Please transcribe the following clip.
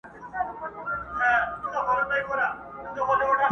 خالق ورته لیکلي دي د نوح د قوم خوبونه،